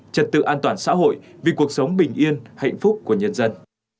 trật tự an toàn xã hội vì cuộc sống bình yên hạnh phúc của nhân dân